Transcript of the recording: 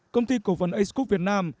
công ty cổ phần acecook việt nam